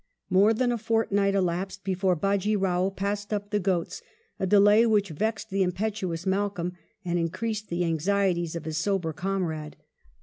More than a fortnight elapsed before Bajee Eao passed up the Ghauts — a delay which vexed the im petuous Malcolm, and increased the anxieties of his sober comrade.